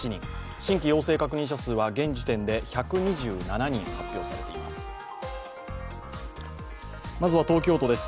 新規陽性確認者数は現時点で１２７人発表されています。